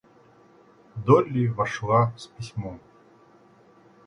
Долли вошла с письмом.